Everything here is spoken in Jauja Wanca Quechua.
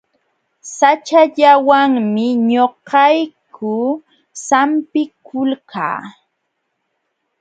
Saćhallawanmi ñuqayku sampikulkaa.